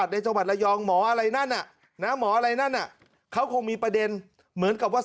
นะหมออะไรนั่นน่ะเขาคงมีประเด็นเหมือนกับว่า